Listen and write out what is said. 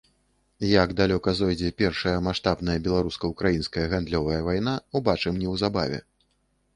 Як далёка зойдзе першая маштабная беларуска-украінская гандлёвая вайна, убачым неўзабаве.